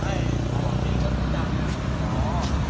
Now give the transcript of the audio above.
มีคลิปก่อนนะครับ